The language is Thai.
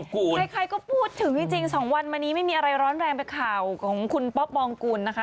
ใครก็พูดถึงจริง๒วันมานี้ไม่มีอะไรร้อนแรงไปข่าวของคุณป๊อปปองกุลนะคะ